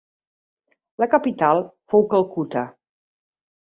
La capital fou Calcuta.